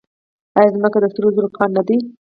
آیا ځمکه د سرو زرو کان نه دی؟